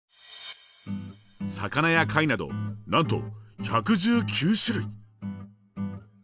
魚や貝などなんと１１９種類！